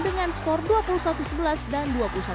dengan skor dua puluh satu sebelas dan dua puluh satu dua belas